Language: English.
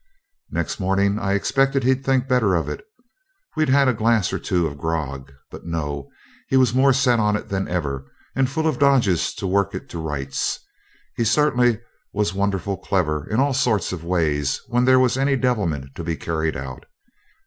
Next morning I expected he'd think better of it we'd had a glass or two of grog; but no, he was more set on it than ever, and full of dodges to work it to rights. He certainly was wonderful clever in all sorts of ways when there was any devilment to be carried out.